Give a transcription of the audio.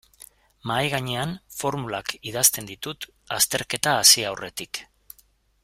Mahaigainean formulak idazten ditut azterketa hasi aurretik.